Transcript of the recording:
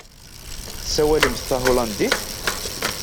Tessawalemt tahulandit?